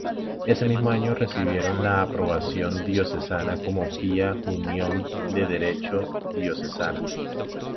Ese mismo año recibieron la aprobación diocesana como pía unión de derecho diocesano.